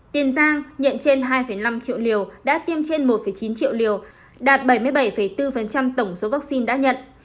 tiền giang nhận trên hai năm triệu liều đạt tiêm trên một chín triệu liều đến nay đã tiêm trên hai một triệu liều đạt tám mươi sáu chín mươi tám tổng số vaccine đã nhận